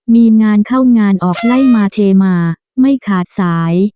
มีงานเข้างานออกไล่มาเทมาไม่ขาดสาย